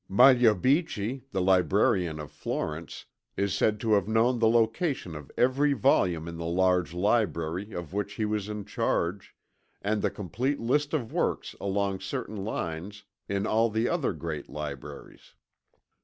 Magliabechi, the librarian of Florence, is said to have known the location of every volume in the large library of which he was in charge; and the complete list of works along certain lines in all the other great libraries.